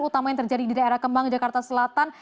utama yang terjadi di daerah kembang jakarta selatan